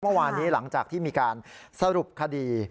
เมื่อวานนี้หลังจากที่มีการสรุปคดี